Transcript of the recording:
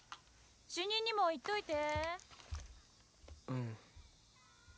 主任にも言っといて。